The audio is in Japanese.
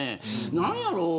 何やろう。